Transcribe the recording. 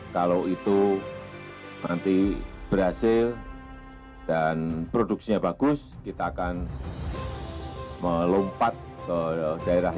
kalau itu nanti berhasil dan produksinya bagus kita akan melompat ke daerah